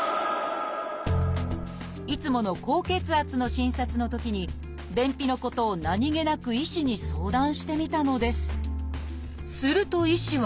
いつもの高血圧の診察のときに便秘のことを何気なく医師に相談してみたのです。